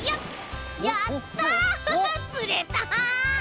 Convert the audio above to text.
やった！つれた！